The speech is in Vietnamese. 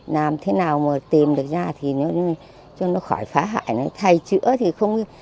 làm thế nào mà tìm được ra thì cho nó khỏi phá hại thay chữa thì không